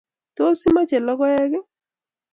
Tos imoche logoek ii?